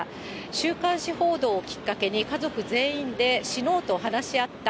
週刊誌報道をきっかけに、家族全員で死のうと話し合った。